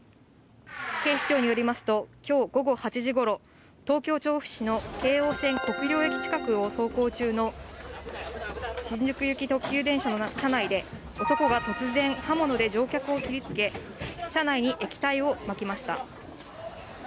警視庁によりますと、きょう午後８時ごろ、東京・調布市の京王線国領駅近くを走行中の新宿行き特急列車の車内で、男が突然、刃物で乗客を切りつけ、車内に液体をまきました。